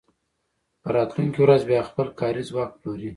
په راتلونکې ورځ بیا خپل کاري ځواک پلوري